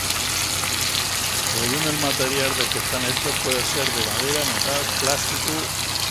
Según el material del que están hechos pueden ser de madera, metal, plástico.